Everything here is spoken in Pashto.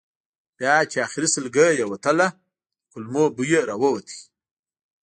بیا چې آخري سلګۍ یې وتله د کولمو بوی یې راووت.